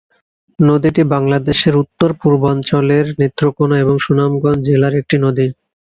নদীটি বাংলাদেশের উত্তর-পূর্বাঞ্চলের নেত্রকোণা এবং সুনামগঞ্জ জেলার একটি নদী।